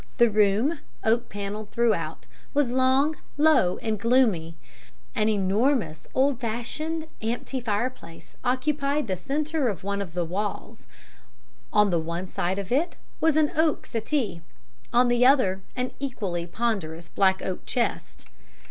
The room, oak panelled throughout, was long, low, and gloomy; an enormous, old fashioned, empty fireplace occupied the centre of one of the walls; on the one side of it was an oak settee, on the other an equally ponderous black oak chest.